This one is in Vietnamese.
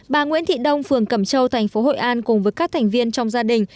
bà nguyễn thị đông phường cẩm châu thành phố hội an cùng với các thành viên trong gia đình